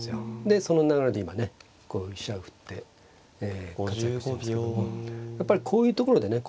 でその流れで今ねこう飛車振って活躍してますけどもやっぱりこういうところでね